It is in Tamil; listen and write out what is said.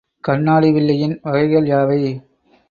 கண்ணாடி வில்லையின் வகைகள் யாவை?